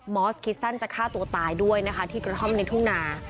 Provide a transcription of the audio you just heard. อสคิดสั้นจะฆ่าตัวตายด้วยนะคะที่กระท่อมในทุ่งนา